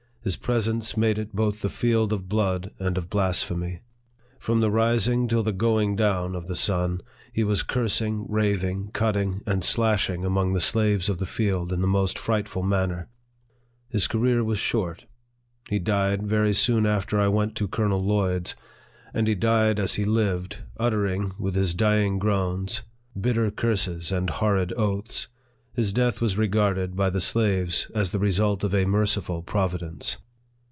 His presence made it both the field of blood and of blasphemy. From the rising till the going down of the sun, he was cursing, raving, cutting, and slashing among the slaves of the field, in the most frightful manner. His career was short. He died very soon after I went to Colonel Lloyd's; and he /iied as he lived, uttering, with his dying groans, bitter 12 NARRATIVE OF THE curses and horrid oaths. His death was regarded by the slaves as the result of a merciful providence.